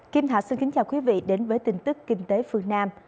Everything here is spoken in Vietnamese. kim thạch xin kính chào quý vị đến với tin tức kinh tế phương nam